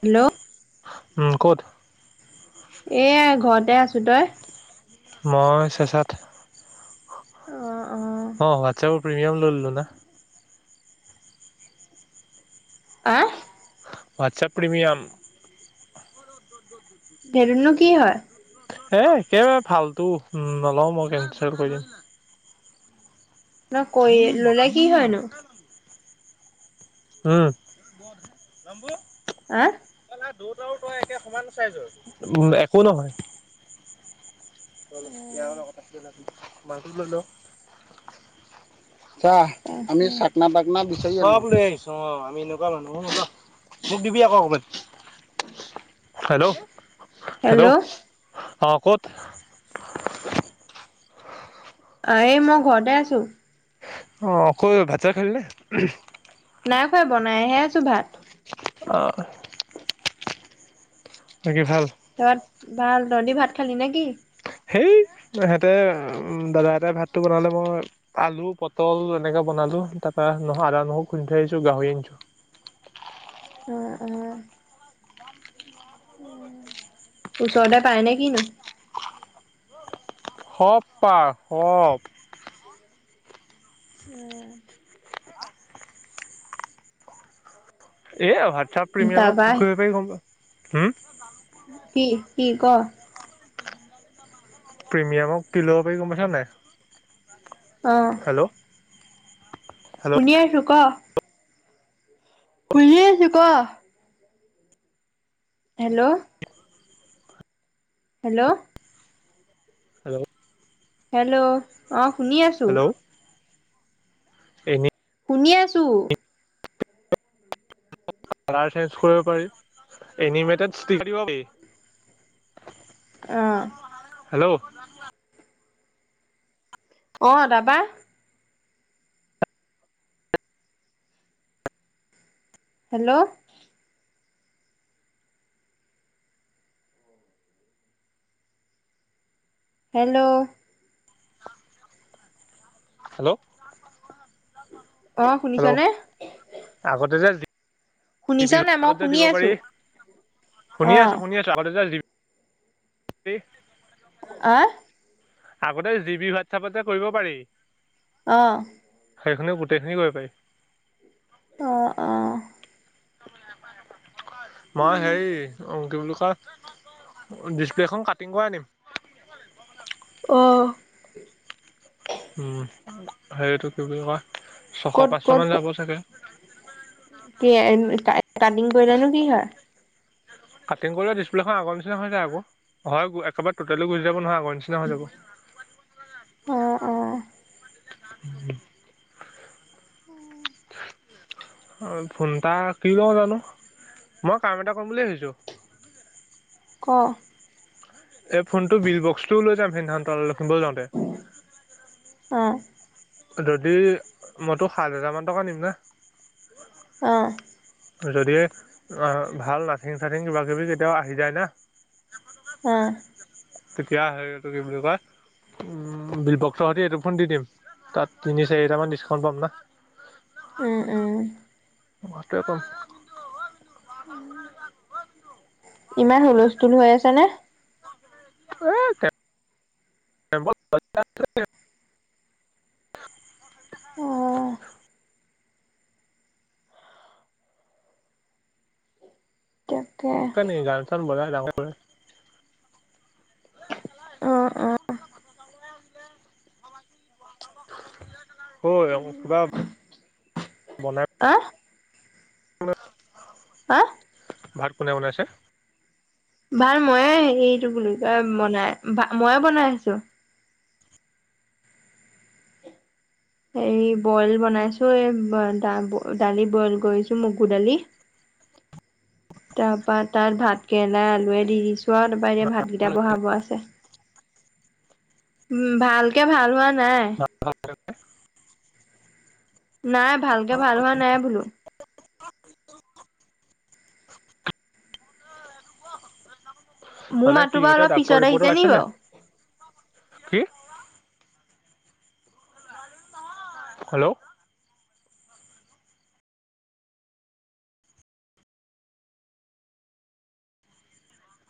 Hello, উম, ক'ত? এয়া ঘৰতে আছো তই? মই চেচাত অ, অ অ হোৱাটছএপত প্ৰিমিয়াম লৈ ললোঁ না আহ? হোৱাতচাব প্ৰীমিয়াম। সেইটোনো কি হয়? এ একেবাৰে ফাল্টু নলওঁ মই কেনচেল কৰি দিম। ন কৈ ল'লে কি হয় নো? উম আহ একে সমান চাইজৰ, একো নহয় ইয়াৰো লগত [unintelligible] মাংস লৈ ল চা আমি তাকে চাকনা বাকনা বিচাৰি আহিছো অ', মানুহো নোলোৱা মোক দিবি আকৌ অকণমান হেল্ল' হেল্ল' অ', ক'ত? অ', এই মই ঘৰতে আছো। অ', কৈ ভাত-চাত খালিনে? নাই খোৱা বনাহে আছো ভাত অ', বাকী ভাল? তত ভাল ৰন্ধি ভাত খালি নে কি? সেই সিহতে উ দাদা এটাই ভাতটো বনালে মই আলু পটল এনেকে বনাওঁ বহালো তাৰপা নহয় আদা নহৰু খুন্দি থৈ আহিছো গাহৰি আনিছো অ', -অ', ওচৰতে পায় নে কিনো? হ'ব পায় সব উম এহ হোৱাটছআপ প্ৰিমিয়ামৰ তাৰপা কি কৰিব পাৰি গম পাও হো কি কি? প্ৰিমিয়ামৰ কি ল'ব পাৰি গম পাইছ নাই? অ', হেল্ল' হেল্ল' শুনি আছো ক শুনি আছো ক হেল্ল' হেল্ল' হেল্ল' হেল্ল' অ শুনি আছো এনে শুনি আছো। কালাৰ চেঞ্জ কৰিব পাৰি। এনিমেটড ষ্টিক দিব পি আহ হেল্ল' অ দাদা হেল্ল' হেল্ল' অ হেল্ল' অ শুনিছ হেল্ল' নে? বিহু আগত যে দিব পাৰি। আছো অ শুনি আছো। শুনি আছো। আগতে যে ত [unintelligible] আহ আগতে জি বি হোৱাটছপত যে কৰিব পাৰি। অঁ সেইখিও গোটেইখিনি কৰিব পাৰি। আহ আহঁ মই হেৰি অং কি বুলি তই ডিছপ্লেখন কাটিং কৰি আনিম। অ' উম। হেৰিটো কি বুলি কয়? ছশ ক'ত পাঁচশ ক'ত মান যাব চাগে। কি আই কা কাটিং কৰিলে নো কি হয়। কাটিং কৰিলে ডিছপ্লেখন আগৰ নিচিনা হৈ যায় আকৌ, হয় একেবাৰে টোটেলো গুচি যাব নিচিনা হৈ যাব। অ অ [unintelligible] অ ফোনতা কিয় জানো মই কাম এটা কৰিম বুলি ভাবিছোঁ। ক এই ফোনটো বিল বক্সটোও লৈ যাম তনতে যাওঁতে। অঁ। যদি মইতো সাত হেজাৰমান টকা নিম না। অঁ। যদি আ ভাল নাথিং-চাথিং কিবা কিবি কেতিয়াও আহি যায় না। আহ। তেতিয়া সেই এইটো কি বুলি কয় বিল বক্সৰ সৈতে এইটোফোন দি দিম তাত তিনি চাৰিটামান ডিছকাউণ্ট পাম না। উম। উম। তই ক। ইমান হুলস্থুল হৈ আছে নে। আহ পে [unintelligible] অ তাকে [unintelligible] অ অ [unintelligible] আহ [unintelligible] [unintelligible] হা। ভাত কোনে বনাইছে। ভাত ময়ে হেৰী এইটো কি বুলি কয় মনাই মইয়ে বনাই আছো। এই বইল বনাইছো, এই দা দালি বইল কৰিছো মগু দালি। তাৰপা তাত ভাত কেৰেলা আলুৱে দি দিছো। [unintelligible] ভাতকেইটা বহাব আছে, উম ভালকে ভাল হোৱা [unintelligible] [inaudible] নাই ভালকে ভাল হোৱা নাই বোলো। [inaudible] মোৰ মানে কি মাতো বাৰু হৈছে অলপ ডাক্তৰ পিছত ৰিপৰ্টত আহিছে আছে নি নে বাৰু। কি হেল্ল'।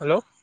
হেল্ল'।